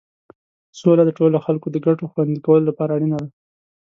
سوله د ټولو خلکو د ګټو خوندي کولو لپاره اړینه ده.